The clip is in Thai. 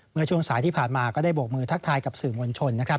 เมื่อช่วงสายที่ผ่านมาก็ได้โบกมือทักทายกับสื่อมวลชนนะครับ